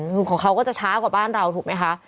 ของเขาก็จะช้ากว่าบ้านเราถูกไหมคะ